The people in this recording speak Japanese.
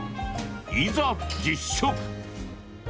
いざ、実食！